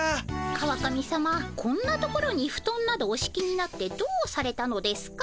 川上さまこんな所にふとんなどおしきになってどうされたのですか？